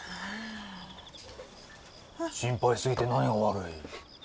心配し過ぎて何が悪い？